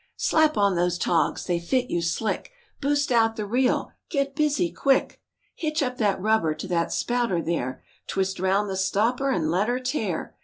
Slap on those togs: they fit you slick; Boost out the reel; get busy quick; Hitch up that rubber to that spouter there; Twist round the stopper and let 'er tear.